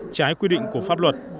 trái quy định của pháp luật